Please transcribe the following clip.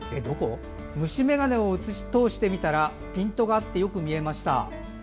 虫眼鏡を通して見たらピントが合ってよく見えました。